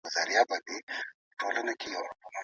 دا د هېواد د اوږدمهاله وروسته پاتېوالي لامل ګرځي.